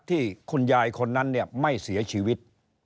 ที่คุณยายคนนั้นเนี่ยไม่เสียชีวิต